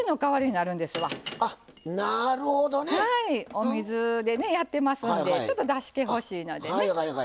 お水でねやってますんでちょっとだしけ欲しいのでね。